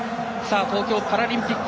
東京パラリンピック